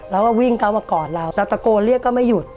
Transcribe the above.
แล้ววิ่งก้าวกอดเราแล้วตะโกนเรียกก็ไม่หยุด